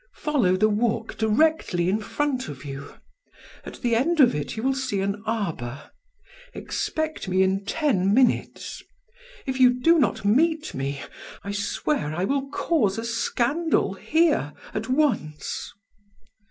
Follow the walk directly in front of you. At the end of it you will see an arbor. Expect me in ten minutes. If you do not meet me, I swear I will cause a scandal here at once!"